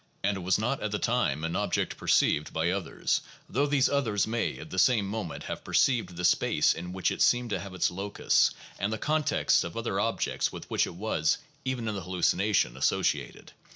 And it was not at the time an object perceived by others, though those others may at the same moment have perceived the space in which it seemed to have its locus and the context of other objects with which it was, even in the hallucination, associated.